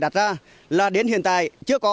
đặt ra là đến hiện tại chưa có